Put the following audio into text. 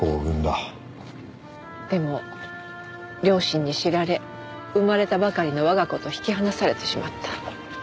でも両親に知られ生まれたばかりの我が子と引き離されてしまった。